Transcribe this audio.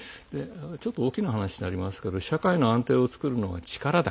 ちょっと大きな話になりますけど社会の安定を作るのは力だ。